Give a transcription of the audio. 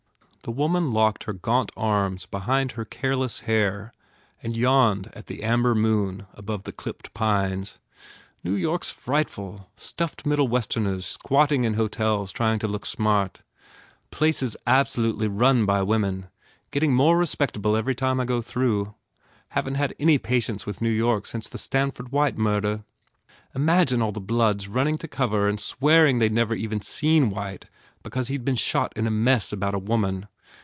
The woman locked her gaunt arms be hind her careless hair and yawned at the amber moon above the clipped pines. "New York s frightful! Stuffed middle westerners squatting in hotels trying to look smart. Place is abso lutely run by women. Getting more respectable every time I go through. Haven t had any pa tience with New York since the Stanford White murder. Imagine all the bloods running to cover and swearing they d never even met White be cause he d been shot in a mess about a woman!